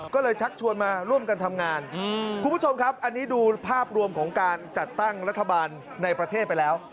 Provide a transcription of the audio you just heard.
ก็เลยชักอันนี้ดูภาพรวมของการจัดตั้งรัฐบาลในประเทศไปแล้ว